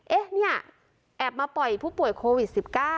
เอ๊ะเนี่ยแอบมาปล่อยผู้ป่วยโควิด๑๙